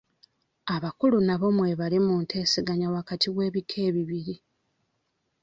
Abakulu nabo mwebali mu nteeseganya wakati w'ebika ebibiri.